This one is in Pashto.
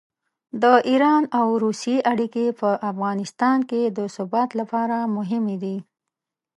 د ایران او روسیې اړیکې په افغانستان کې د ثبات لپاره مهمې دي.